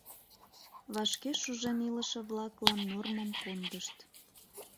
Вашке шужен илыше-влаклан нормым кондышт.